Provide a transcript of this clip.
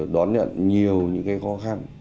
đón nhận nhiều những cái khó khăn